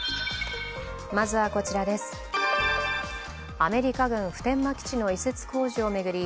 アメリカ軍普天間基地の移設工事を巡り